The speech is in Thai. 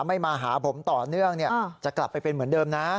ไม่มาหาผมต่อเนื่องจะกลับไปเป็นเหมือนเดิมนะ